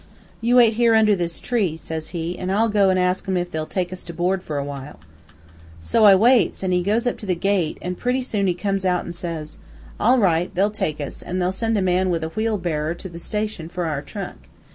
"'You wait here under this tree,' says he, 'an' I'll go an' ask 'em if they'll take us to board for a while.' "So I waits, an' he goes up to the gate, an' pretty soon he comes out an' says, 'All right, they'll take us, an' they'll send a man with a wheelbarrer to the station for our trunk.'